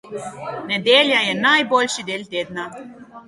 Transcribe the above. Nedelja je najboljši del tedna.